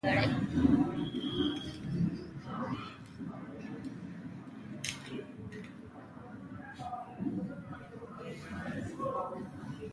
ازادي راډیو د بهرنۍ اړیکې پرمختګ او شاتګ پرتله کړی.